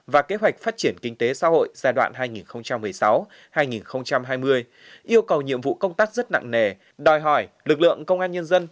và kế hoạch phát triển kinh tế xã hội giai đoạn hai nghìn một mươi sáu hai nghìn hai mươi yêu cầu nhiệm vụ công tác rất nặng nề đòi hỏi lực lượng công an nhân dân